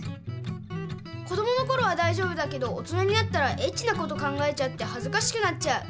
子どものころはだいじょうぶだけど大人になったらエッチなこと考えちゃってはずかしくなっちゃう。